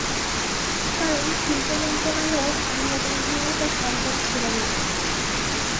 কারণ শিল্প মন্ত্রণালয়ের অনুমোদন ভিন্ন তা সম্ভব ছিলনা।